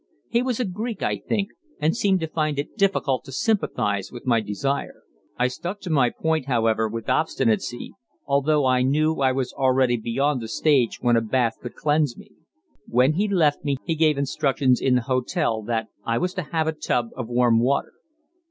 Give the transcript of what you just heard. He was a Greek, I think, and seemed to find it difficult to sympathize with my desire. I stuck to my point, however, with obstinacy, although I knew I was already beyond the stage when a bath could cleanse me. When he left me he gave instructions in the hotel that I was to have a tub of warm water.